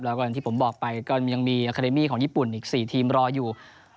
แล้วก็อย่างที่ผมบอกไปก็ยังมีอาคาเดมี่ของญี่ปุ่นอีก๔ทีมรออยู่